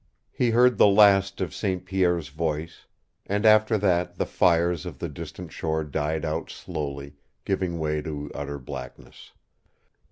He heard the last of St. Pierre's voice, and after that the fires on the distant shore died out slowly, giving way to utter blackness.